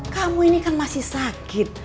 kamu ini kan masih sakit